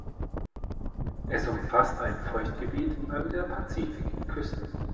Es umfasst ein Feuchtgebiet an der Pazifikküste.